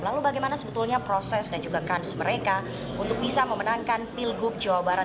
lalu bagaimana sebetulnya proses dan juga kans mereka untuk bisa memenangkan pilgub jawa barat